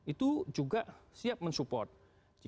itu juga siap mensupport